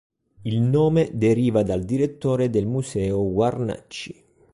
Il nome deriva dal direttore del museo Guarnacci.